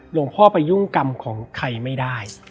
หลวงพ่อไปยุ่งกรรมของใครไม่ได้